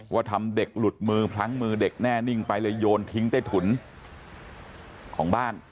ว่าทำเด็กหลุดมือพลั้งมือเด็กแน่นิ่งไปเลยโยนทิ้งใต้ถุนของบ้าน